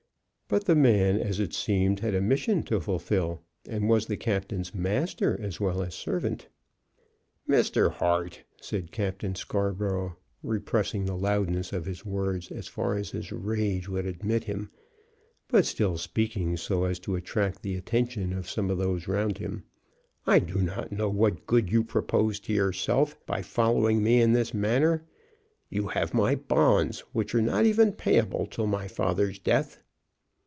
But the man, as it seemed, had a mission to fulfil, and was the captain's master as well as servant. "Mr. Hart," said Captain Scarborough, repressing the loudness of his words as far as his rage would admit him, but still speaking so as to attract the attention of some of those round him, "I do not know what good you propose to yourself by following me in this manner. You have my bonds, which are not even payable till my father's death."